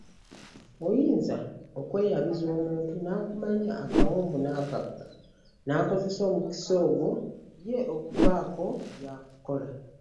Oyinza okweyabiza omuntu, n’akumanya akawonvu n’akagga, n’akozesa omukisa ogwo ye okubaako by’a kukola.